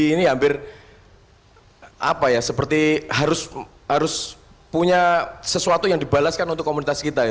jadi ini hampir seperti harus punya sesuatu yang dibalaskan untuk komunitas kita